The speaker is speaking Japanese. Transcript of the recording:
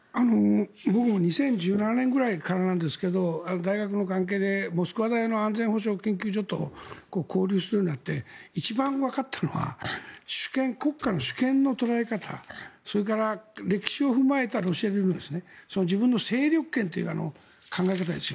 僕も２０１７年くらいからなんですが大学の関係でモスクワ大の安全保障研究所と交流するようになって一番わかったのは国家の主権の捉え方それから歴史を踏まえたロシア流の自分の勢力圏という考え方